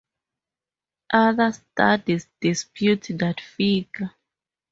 Other studies dispute that figure.